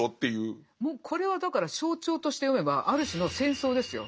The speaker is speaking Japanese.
これはだから象徴として読めばある種の戦争ですよ。